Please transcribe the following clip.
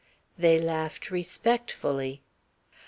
They laughed respectfully.